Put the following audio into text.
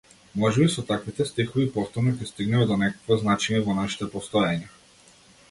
Можеби со таквите стихови повторно ќе стигнеме до некакво значење во нашите постоења.